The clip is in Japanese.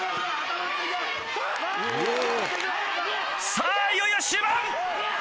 さぁいよいよ終盤！